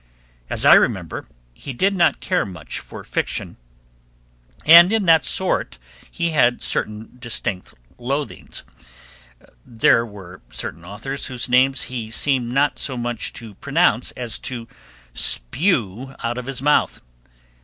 As I remember, he did not care much for fiction, and in that sort he had certain distinct loathings; there were certain authors whose names he seemed not so much to pronounce as to spew out of his mouth.